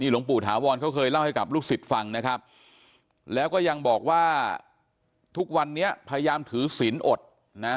หลวงปู่ถาวรเขาเคยเล่าให้กับลูกศิษย์ฟังนะครับแล้วก็ยังบอกว่าทุกวันนี้พยายามถือศีลอดนะ